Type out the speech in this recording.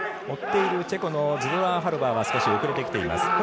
追っているチェコのズドラーハロバーは少し遅れてきています。